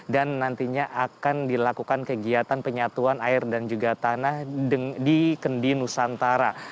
dan nantinya akan dilakukan kegiatan penyatuan air dan juga tanah di kendi nusantara